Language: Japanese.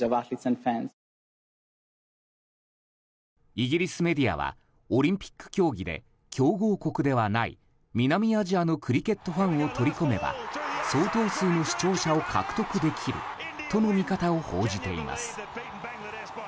イギリスメディアはオリンピック競技で強豪国ではない南アジアのクリケットファンを取り込めば相当数の視聴者を獲得できるとの見方を報じています。